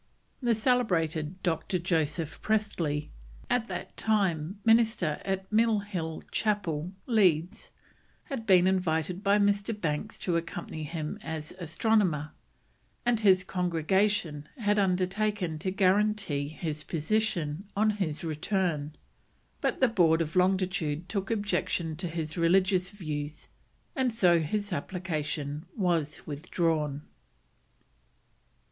The celebrated Dr. Joseph Priestley, at that time minister at Mill Hill Chapel, Leeds, had been invited by Mr. Banks to accompany him as astronomer, and his congregation had undertaken to guarantee his position on his return; but the Board of Longitude took objection to his religious views, and so his application was withdrawn.